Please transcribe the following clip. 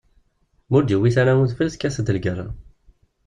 Ma ur d-iwwit ara udfel, tekkat-d lgerra.